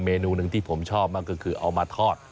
เมนูหนึ่งที่ผมชอบมากก็คือเอามาทอด